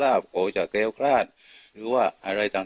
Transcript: แล้วท่านผู้ชมครับบอกว่าตามความเชื่อขายใต้ตัวนะครับ